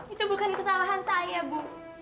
itu bukan kesalahan saya bu